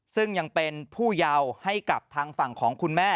ซึ่งยังเป็นผู้เยาว์ให้กับทางฝั่งของคุณแม่